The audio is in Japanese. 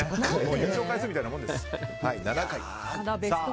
優勝回数みたいなものです。